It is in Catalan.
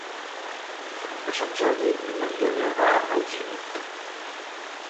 Per Sant Jordi na Mariona va a Alginet.